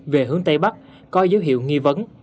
về hướng tây bắc coi dấu hiệu nghi vấn